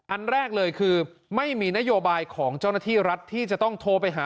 อันแรกเลยคือไม่มีนโยบายของเจ้าหน้าที่รัฐที่จะต้องโทรไปหา